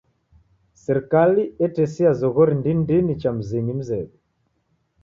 Serikali etesia zoghori ndini ndini cha mzinyi mzedu.